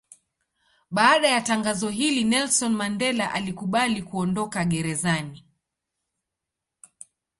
Baada ya tangazo hili Nelson Mandela alikubali kuondoka gerezani.